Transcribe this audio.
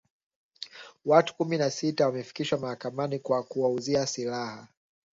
Watu kumi na sita wamefikishwa mahakamani kwa kuwauzia silaha